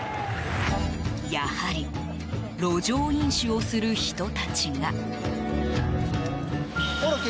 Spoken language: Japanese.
やはり路上飲酒をする人たちが。